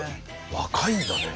若いんだね。